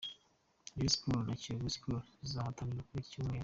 Rayon Sport na Kiyovu Sport zirahatana kuri icyi cyumweru.